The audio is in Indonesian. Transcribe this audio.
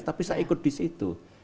tapi saya ikut di situ